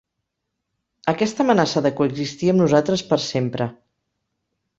Aquesta amenaça de coexistir amb nosaltres per sempre.